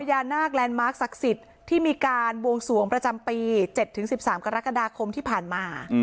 พญานาคแลนด์มาร์คศักดิ์สิทธิ์ที่มีการบวงสวงประจำปี๗๑๓กรกฎาคมที่ผ่านมา